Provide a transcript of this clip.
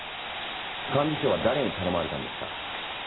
幹事長は誰に頼まれたんですか？